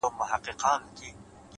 لوړ لید د واټنونو محدودیت کموي’